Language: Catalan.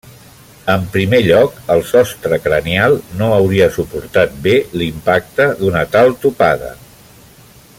En primer lloc, el sostre cranial no hauria suportat bé l'impacte d'una tal topada.